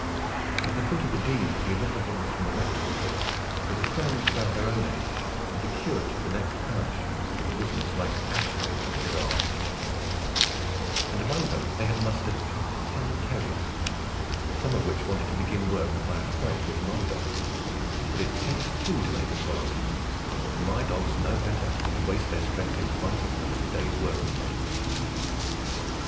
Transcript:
At the foot of the Denes we met the boys from the Rectory, with a friend about their own age, and the curate of the next parish with a business like ash stick under his arm; and among them they had mustered a pack of ten terriers, some of which wanted to begin work by a fight with my dogs; but it takes two to make a quarrel, and my dogs knew better than to waste their strength in fighting when there was a day's work in front of them.